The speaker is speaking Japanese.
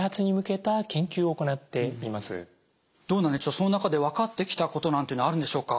その中で分かってきたことなんていうのはあるんでしょうか？